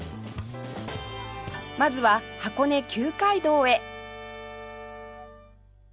まずは箱根旧街道へ